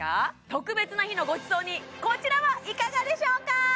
特別な日のごちそうにこちらはいかがでしょうか？